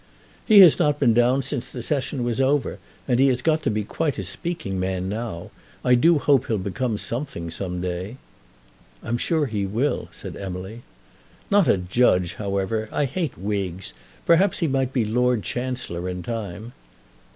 "He has not been down since the Session was over, and he has got to be quite a speaking man now. I do so hope he'll become something some day." "I'm sure he will," said Emily. "Not a judge, however. I hate wigs. Perhaps he might be Lord Chancellor in time."